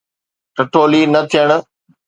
ٺٺولي نه ٿيڻ.